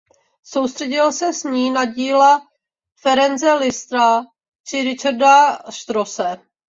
Soustředil se s ní na díla Ference Liszta či Richarda Strausse.